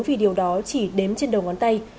vì điều đó chỉ đếm trên đầu ngón tay